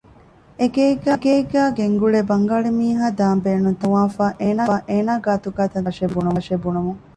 އެގޭގެގައި ގެންގުޅޭ ބަންގާޅި މީހާ ދާން ބޭނުން ތާކަށް ފޮނުވާފައި އޭނަ ގާތުގައި ތަންތަނަށް ނުދާށޭ ބުނުމުން